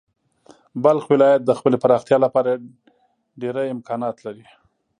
بلخ ولایت د خپلې پراختیا لپاره ډېری امکانات لري.